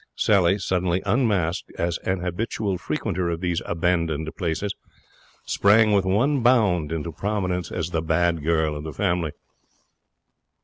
Sally, suddenly unmasked as an habitual frequenter of these abandoned places, sprang with one bound into prominence as the Bad Girl of the Family.